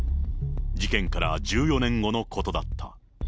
事件から１４年後のことだった。